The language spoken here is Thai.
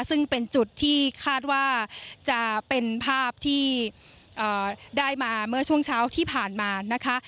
ซึ่งเป็นจุดที่คาดว่าจะเป็นภาพที่ได้มาเมื่อช่วงเช้าที่ผ่านมานะคะ